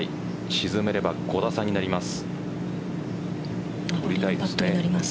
沈めれば５打差になります。